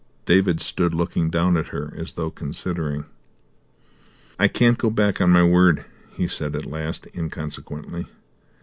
David stood looking down at her as though considering. "I can't go back on my word," he said at last inconsequently.